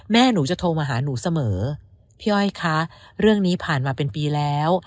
แม่หนูจะโทรมาหาหนูเสมอพี่อ้อยคะเรื่องนี้ผ่านมาเป็นปีแล้ว